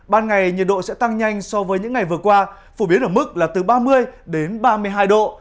ban ngày nhiệt độ sẽ tăng nhanh so với những ngày vừa qua phổ biến ở mức là từ ba mươi đến ba mươi hai độ